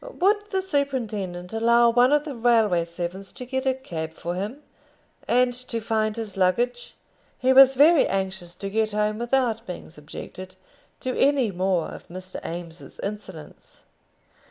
Would the superintendent allow one of the railway servants to get a cab for him, and to find his luggage? He was very anxious to get home without being subjected to any more of Mr. Eames's insolence.